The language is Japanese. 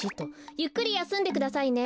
ゆっくりやすんでくださいね。